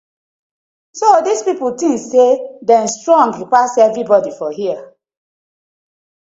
So dis pipu tink say dem strong pass everibodi for here.